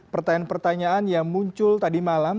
pertanyaan pertanyaan yang muncul tadi malam